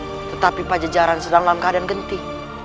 rindu raya dan rakyat pejajaran sedang dalam keadaan berhenti